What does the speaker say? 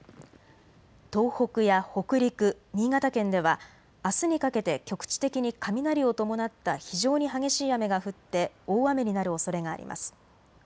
東北や北陸、新潟県ではあすにかけて局地的に雷を伴った非常に激しい雨が降って大雨になるおそれがあります。